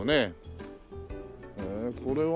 へえこれは？